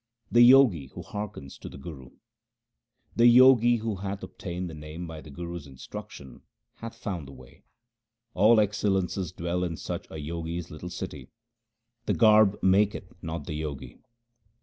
The Jogi who hearkens to the Guru :— The Jogi who hath obtained the Name by the Guru's instruction hath found the way. All excellences dwell in such a Jogi's little city ; 1 the garb maketh not the Jogi.